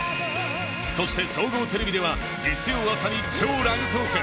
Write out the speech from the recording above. そして、総合テレビでは月曜の朝に「＃超ラグトーク」。